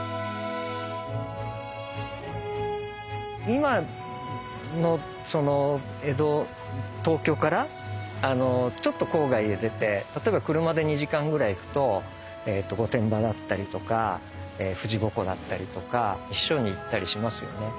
今の東京からちょっと郊外へ出て例えば車で２時間ぐらい行くと御殿場だったりとか富士五湖だったりとか避暑に行ったりしますよね。